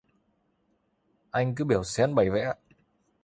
Anh cứ biếu xén, bày vẽ